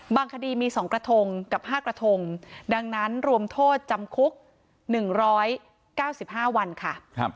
คดีมี๒กระทงกับ๕กระทงดังนั้นรวมโทษจำคุก๑๙๕วันค่ะ